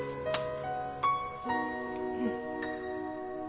うん。